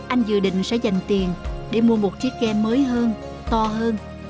anh dự định sẽ dành tiền để mua một chiếc kem mới hơn to hơn